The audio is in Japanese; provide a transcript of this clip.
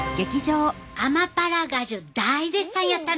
アマパラガジュ大絶賛やったね！